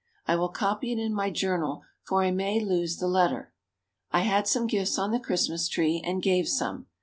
I will copy it in my journal for I may lose the letter. I had some gifts on the Christmas tree and gave some.